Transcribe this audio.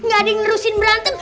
gak ada yang nerusin berantem